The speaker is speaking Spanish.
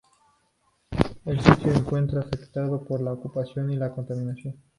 El sitio se encuentra afectado por la ocupación y contaminación.